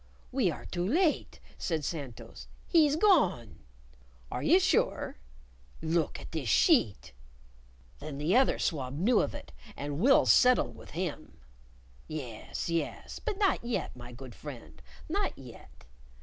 "We are too late!" said Santos. "He's gone!" "Are you sure "Look at this sheet." "Then the other swab knew of it, and we'll settle with him." "Yes, yes. But not yet, my good friend not yet.